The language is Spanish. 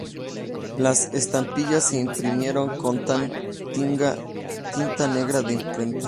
Las estampillas se imprimieron con tinta negra de imprenta.